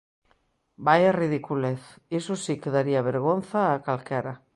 Vaia ridiculez, iso si que daría vergonza a calquera.